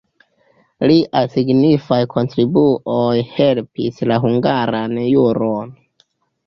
Liaj signifaj kontribuoj helpis la hungaran juron.